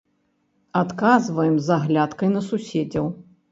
Адказваем з аглядкай на суседзяў.